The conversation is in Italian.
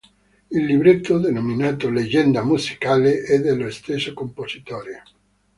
Il libretto, denominato "Leggenda musicale", è dello stesso compositore.